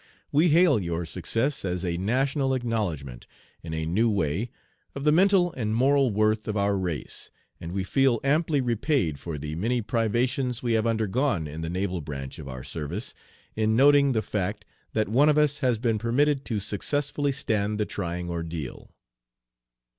We hail your success as a national acknowledgment, in a new way, of the mental and moral worth of our race; and we feel amply repaid for the many privations we have undergone in the naval branch of our service, in noting the fact that one of us has been permitted to successfully stand the trying ordeal.